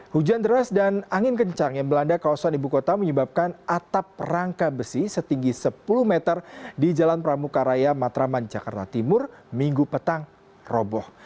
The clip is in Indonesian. hujan deras dan angin kencang yang melanda kawasan ibu kota menyebabkan atap rangka besi setinggi sepuluh meter di jalan pramuka raya matraman jakarta timur minggu petang roboh